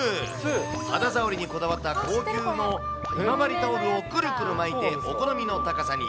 肌触りにこだわった高級な今治タオルをくるくる巻いて、お好みの高さに。